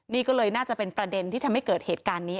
นี่ก็เลยน่าจะเป็นประเด็นที่ทำให้เกิดเหตุการณ์นี้